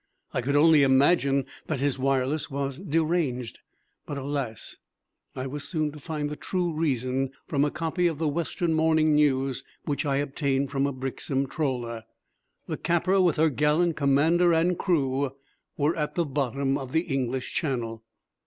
I could only imagine that his wireless was deranged. But, alas! I was soon to find the true reason from a copy of the Western Morning News, which I obtained from a Brixham trawler. The Kappa, with her gallant commander and crew, were at the bottom of the English Channel.